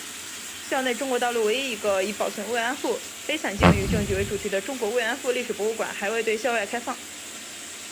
校内中国大陆唯一一个以保存“慰安妇”悲惨境遇证据为主题的中国“慰安妇”历史博物馆还未对校外开放。